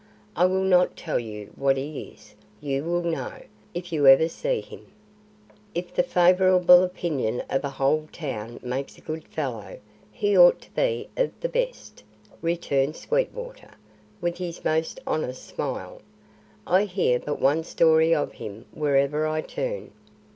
"I will not tell you what he is; you will know, if you ever see him." "If the favourable opinion of a whole town makes a good fellow, he ought to be of the best," returned Sweetwater, with his most honest smile. "I hear but one story of him wherever I turn."